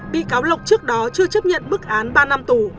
bị cáo lộc trước đó chưa chấp nhận bức án ba năm tù